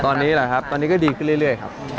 ตอนนี้แหละครับตอนนี้ก็ดีขึ้นเรื่อยครับ